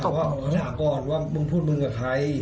ก็หาแสว่าพูดมึงกับใคร